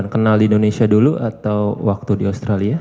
dua ribu tujuh dua ribu delapan kenal di indonesia dulu atau waktu di australia